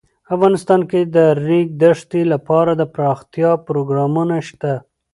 افغانستان کې د د ریګ دښتې لپاره دپرمختیا پروګرامونه شته.